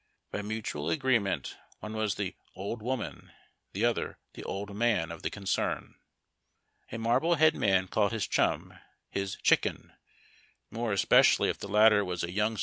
By mutual agreement one was the "old woman," the other the ''old man" of the concern. A Marblehead man called his chum his "chicken," more especially if the latter was a you7ig soldier..